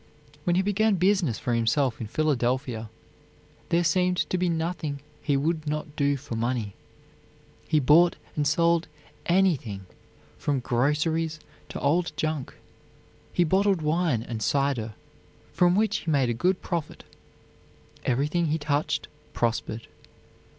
When he began business for himself in Philadelphia, there seemed to be nothing he would not do for money. He bought and sold anything, from groceries to old junk; he bottled wine and cider, from which he made a good profit. Everything he touched prospered.